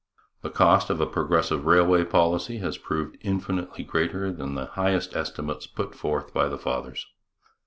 The cost of a progressive railway policy has proved infinitely greater than the highest estimates put forth by the Fathers.